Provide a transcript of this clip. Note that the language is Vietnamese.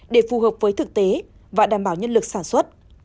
để phù hợp với thực tế và đảm bảo nhân lực sản xuất